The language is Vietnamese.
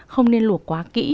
không nên luộc quá kỹ